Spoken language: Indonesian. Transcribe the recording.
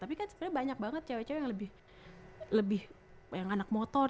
tapi kan sebenernya banyak banget cewek cewek yang lebih lebih yang anak motor